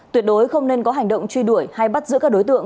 tuyệt đối không nên có hành động truy đuổi hay bắt giữ các đối tượng